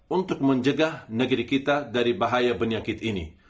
untuk menjegah negeri kita dari bahaya penyakit ini